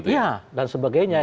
ya dan sebagainya